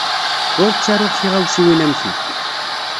Ur ttaruɣ tiɣawsiwin am ti.